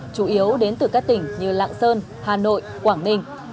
chủ yếu đến từ các tỉnh như lạng sơn hà nội quảng ninh